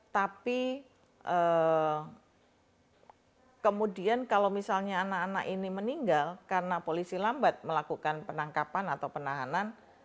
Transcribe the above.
tapi kemudian kalau misalnya anak anak ini meninggal karena polisi lambat melakukan penangkapan atau penahanan